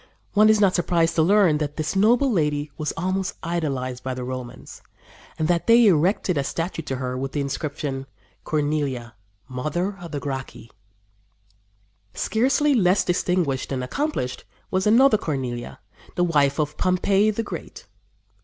" One is not surprised to learn that this noble lady was almost idolized by the Romans, and that they erected a statue to her with the inscription, "Cornelia, Mother of the Gracchi." Scarcely less distinguished and accomplished was another Cornelia, the wife of Pompey, the Great.